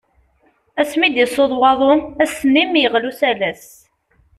Asmi i d-yessuḍ waḍu, ass-nni mi yeɣli usalas.